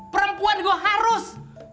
perempuan gua harus